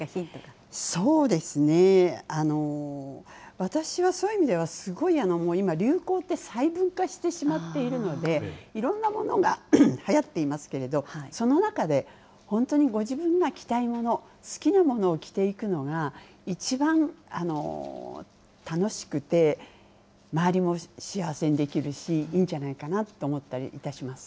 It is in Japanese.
そうですね、私はそういう意味では、すごいもう今、流行して細分化してしまっているので、いろんなものがはやっていますけれど、その中で、本当にご自分が着たいもの、好きなものを着ていくのが、一番楽しくて、周りも幸せにできるし、いいんじゃないかなと思ったりいたします。